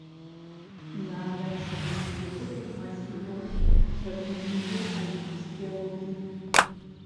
На вяршынях высокіх масіваў развітыя альпійскія лугі.